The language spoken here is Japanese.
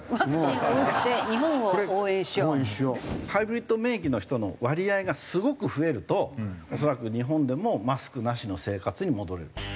ハイブリッド免疫の人の割合がすごく増えると恐らく日本でもマスクなしの生活に戻れるんです。